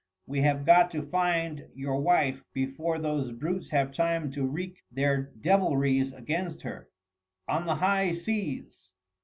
We have got to find your wife before those brutes have time to wreak their devilries against her." "On the high seas